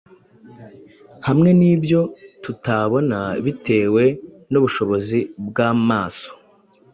hamwe nibyo tutabona bitewe nubushobozi bwamaso